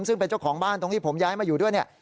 ซึ่งเป็นเจ้าของบ้านตรงที่ผมย้ายมาอยู่ด้วยเนี่ย